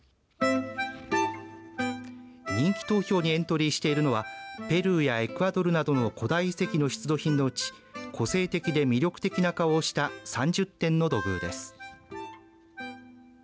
人気投票にエントリーしているのはペルーやエクアドルなどの古代遺跡の出土品のうち個性的で魅力的な顔をした３０点の土偶です。